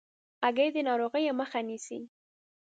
هګۍ د ناروغیو مخه نیسي.